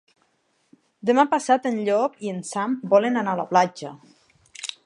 Demà passat en Llop i en Sam volen anar a la platja.